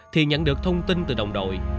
thì nhận được thông tin từ đồng đội